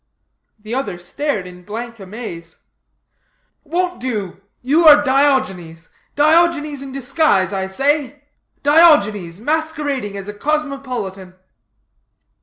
The other stared in blank amaze. "Won't do. You are Diogenes, Diogenes in disguise. I say Diogenes masquerading as a cosmopolitan."